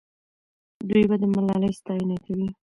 دوی به د ملالۍ ستاینه کوي.